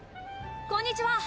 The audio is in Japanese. こんにちは。